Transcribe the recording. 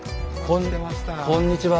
こんにちは